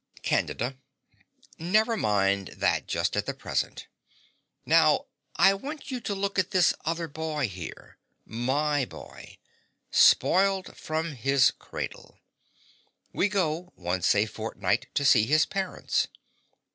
CANDIDA. Never mind that just at present. Now I want you to look at this other boy here MY boy spoiled from his cradle. We go once a fortnight to see his parents.